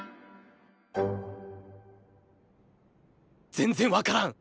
全然わからん！